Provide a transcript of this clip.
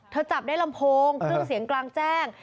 จับได้ลำโพงเครื่องเสียงกลางแจ้ง